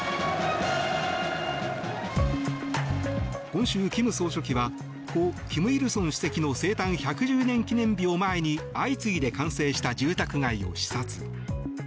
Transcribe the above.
今週、金総書記は故・金日成主席の生誕１１０年記念日を前に相次いで完成した住宅街を視察。